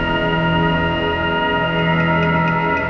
tuan tuan tuan tuan